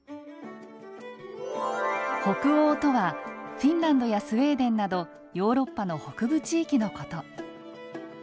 北欧とはフィンランドやスウェーデンなどヨーロッパの北部地域のこと。